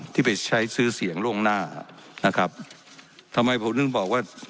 ที่ไปใช้ซื้อเสียงล่วงหน้านะครับทำไมผมถึงบอกว่า